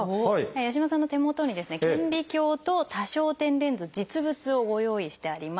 八嶋さんの手元にですね顕微鏡と多焦点レンズ実物をご用意してあります。